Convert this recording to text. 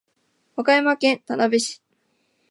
和歌山県田辺市